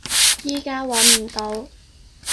依家揾唔到